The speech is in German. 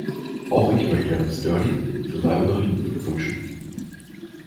Auch ich möchte Herrn Sturdy zu seinem Bericht beglückwünschen.